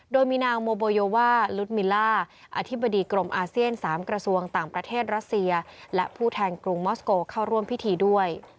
โดยมีนางโมโบโยว่าลุดมิลล่าอธิบดีกรมอาเซียน๓กระทรวงต่างประเทศรัสเซียและผู้แทนกรุงมอสโกเข้าร่วมพิธีด้วย